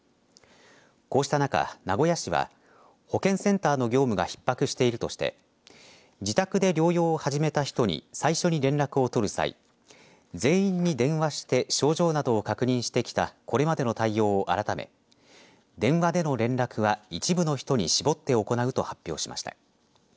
こうした中、名古屋市は保健センターの業務がひっ迫しているとして自宅で療養を始めた人に最初に連絡を取る際全員に電話して症状などを確認してきたこれまでの対応を改め電話での連絡は一部の人に絞って行うと発表しました。